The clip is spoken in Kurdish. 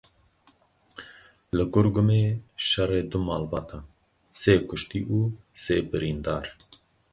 Li Gurgumê şerê du malbatan sê kuştî û sê birîndar.